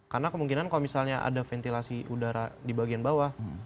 karena kemungkinan kalau misalnya ada ventilasi udara di bagian bawah